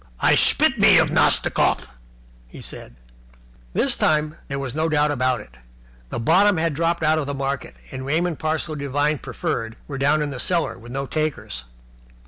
"I spit me of Nastikoff!" he said. This time there was no doubt about it. The bottom had dropped out of the market, and Raymond Parsloe Devine Preferred were down in the cellar with no takers.